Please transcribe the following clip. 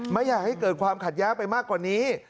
ไม่อยากให้เกิดความขัดแย้งไปมากกว่านี้